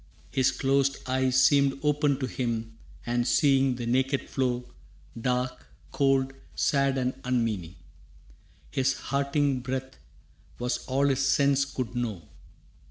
His closed eyes seemed open to him and seeing The naked floor, dark, cold, sad and unmeaning. His hurting breath was all his sense could know.